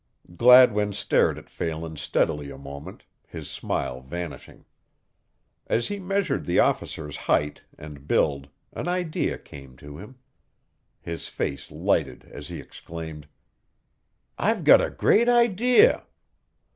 Gladwin stared at Phelan steadily a moment, his smile vanishing. As he measured the officer's height and build an idea came to him. His face lighted as he exclaimed: "I've got a great idea!